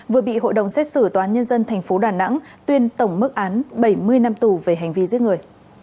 vừa bị hội đồng xét xử toán nhân dân thành phố đà nẵng tuyên tổng mức án bảy mươi năm tù về hành vi giết người